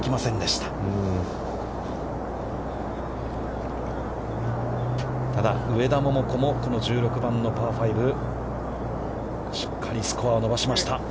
ただ、上田桃子もこの１６番のパー５、しっかりスコアを伸ばしました。